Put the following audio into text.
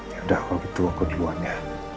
ya udah kalau gitu aku duluan ya